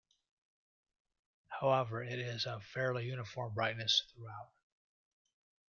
However, it is of fairly uniform brightness throughout.